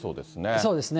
そうですね。